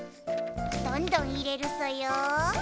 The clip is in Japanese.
どんどん入れるソヨ。